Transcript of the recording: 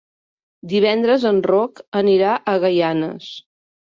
Divendres en Roc anirà a Gaianes.